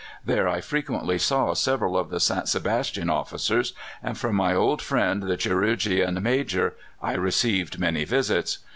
There I frequently saw several of the St. Sebastian officers, and from my old friend the Chirurgien Major I received many visits.